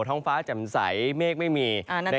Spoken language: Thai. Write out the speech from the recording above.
ท้องฟ้าจำใสเมฆไม่มี